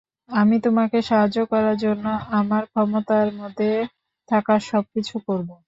আমি তোমাকে সাহায্য করার জন্য আমার ক্ষমতার মধ্যে থাকা সবকিছু করব।